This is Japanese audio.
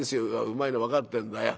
「うまいの分かってんだよ。